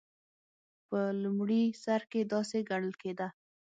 په لومړي سر کې داسې ګڼل کېده.